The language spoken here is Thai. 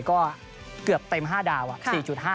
ก็เกือบเต็ม๕ดาว๔๕